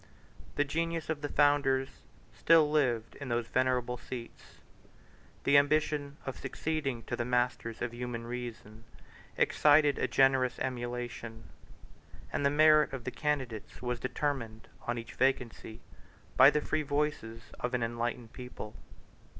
The genius of the founders still lived in those venerable seats; the ambition of succeeding to the masters of human reason excited a generous emulation; and the merit of the candidates was determined, on each vacancy, by the free voices of an enlightened people.